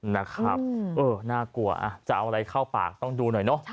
นะครับเออน่ากลัวจะเอาอะไรเข้าปากต้องดูหน่อยเนอะ